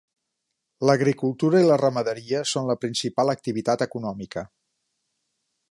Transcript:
L'agricultura i la ramaderia són la principal activitat econòmica.